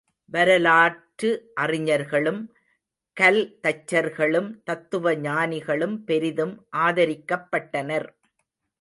வரலாற்று அறிஞர்களும், கல் தச்சர்களும், தத்துவஞானிகளும் பெரிதும் ஆதரிக்கப்பட்டனர்.